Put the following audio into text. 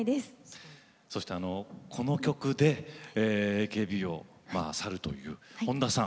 そしてこの曲でＡＫＢを去るという本田さん。